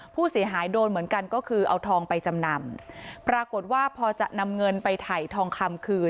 ผู้เสียหายโดนเหมือนกันก็คือเอาทองไปจำนำปรากฏว่าพอจะนำเงินไปถ่ายทองคำคืน